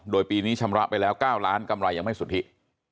โดยปีนี้ชำระไปแล้ว๙ล้านกำไรยังไม่สุทธิ